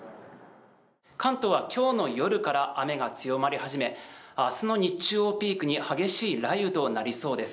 関東は今日の夜から雨が強まり始め明日の日中をピークに激しい雷雨となりそうです。